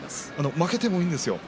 負けてもいいんですよ。